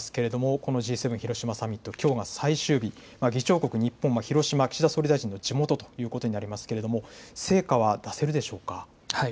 このＧ７広島サミット、きょうが最終日、議長国日本は広島、岸田総理大臣の地元ということになりますが成果は出せるでしょうか。